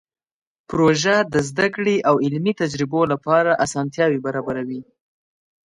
پروژه د زده کړې او علمي تجربو لپاره اسانتیاوې برابروي.